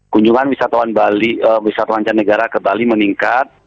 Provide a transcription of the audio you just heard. kunjungan wisatawan canegara ke bali meningkat